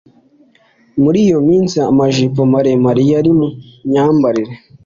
Muri iyo minsi amajipo maremare yari mu myambarire